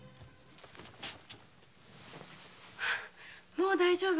もう大丈夫。